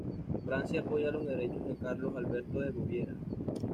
Francia apoya los derechos de Carlos Alberto de Baviera.